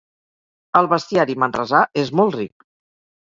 El bestiari manresà és molt ric